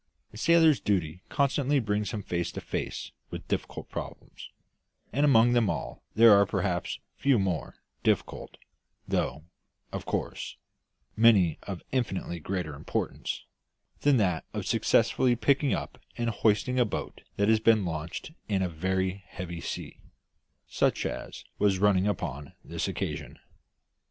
A sailor's duty constantly brings him face to face with difficult problems, and among them all there are perhaps few more difficult, though, of course, many of infinitely greater importance, than that of successfully picking up and hoisting a boat that has been launched in a very heavy sea, such as was running upon this occasion.